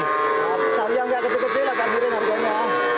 cari yang kecil kecil lah karantina harganya